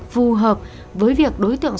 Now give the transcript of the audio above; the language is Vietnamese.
phù hợp với việc đối tượng